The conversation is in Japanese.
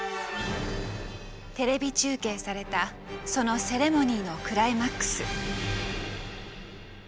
テレビ中継されたそのセレモニーのクライマックス。